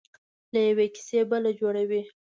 له یوې کیسې بله جوړوي.